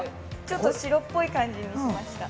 ◆ちょっと白っぽい感じにしました。